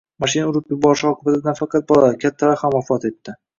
Mashina urib yuborishi oqibatida nafaqat bolalar, kattalar ham vafot etdi.